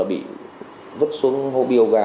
bị vứt xuống hô biêu gà